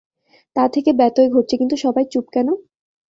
তা থেকে ব্যত্যয় ঘটছে কিন্তু সবাই চুপ কেন?